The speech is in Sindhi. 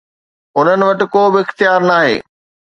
انهن وٽ ڪو به اختيار ناهي.